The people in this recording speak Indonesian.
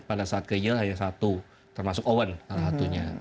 pada saat ke yell hanya satu termasuk owen salah satunya